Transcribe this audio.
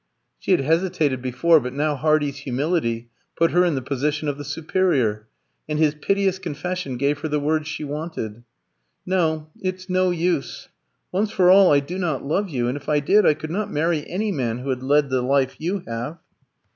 She had hesitated before, but now Hardy's humility put her in the position of the superior, and his piteous confession gave her the words she wanted. "No. It's no use. Once for all, I do not love you; and if I did, I could not marry any man who had led the life you have."